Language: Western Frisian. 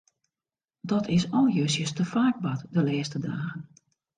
Dat is al justjes te faak bard de lêste dagen.